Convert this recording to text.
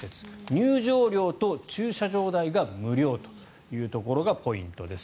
入場料と駐車場代が無料というところがポイントです。